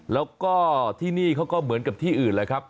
แล้วก็ที่นี่เขาก็เหมือนกับที่อื่นแหละครับ